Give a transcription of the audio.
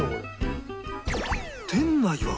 店内は